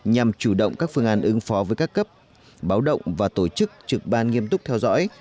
nhằm chủ động các phương án ứng phó với các cấp báo động và tổ chức trực ban nghiêm túc theo dõi